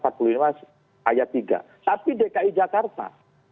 ayat tiga tapi dki jakarta